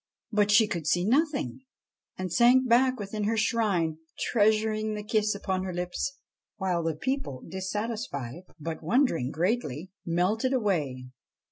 But she could see nothing, and sank back within her shrine, treasuring the kiss upon her lips ; while the people, dissatisfied, but wondering greatly, melted away.